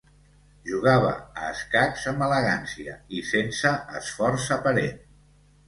Jugava a escacs amb elegància i sense esforç aparent.